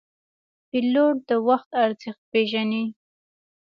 پیلوټ د وخت ارزښت پېژني.